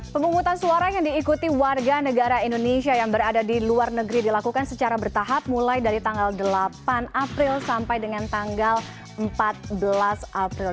pemungutan suara yang diikuti warga negara indonesia yang berada di luar negeri dilakukan secara bertahap mulai dari tanggal delapan april sampai dengan tanggal empat belas april